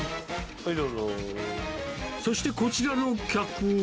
そしてこちらの客は。